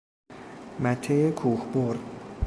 مته کوه بر